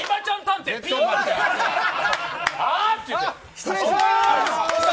失礼します。